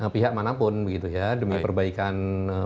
pihak manapun demi perbaikan